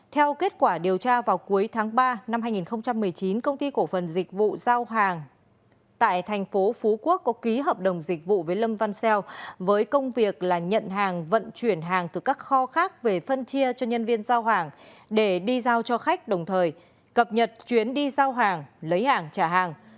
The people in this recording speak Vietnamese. theo kết quả điều tra vào cuối tháng ba năm hai nghìn một mươi chín công ty cổ phần dịch vụ giao hàng tại thành phố phú quốc có ký hợp đồng dịch vụ với lâm văn xeo với công việc là nhận hàng vận chuyển hàng từ các kho khác về phân chia cho nhân viên giao hàng để đi giao cho khách đồng thời cập nhật chuyến đi giao hàng lấy hàng trả hàng